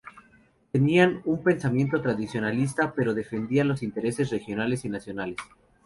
Tenían un pensamiento tradicionalista, pero defendían los intereses regionales y nacionales.